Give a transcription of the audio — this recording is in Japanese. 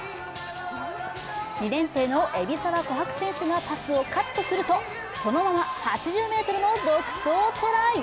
２年生の海老澤琥珀選手がパスをカットすると、そのまま８０ｍの独走トライ。